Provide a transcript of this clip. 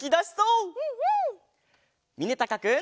みねたかくん。